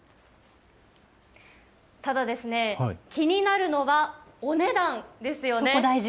ただ、気になるのはお値段ですよね。